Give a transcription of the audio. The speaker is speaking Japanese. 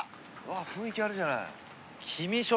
あっ雰囲気あるじゃない。